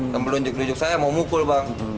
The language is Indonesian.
kembali lunjuk lunjuk saya mau mukul bang